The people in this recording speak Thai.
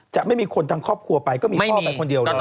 จะไม่มีคนทางครอบครัวไปก็มีพ่อไปคนเดียวแล้วเน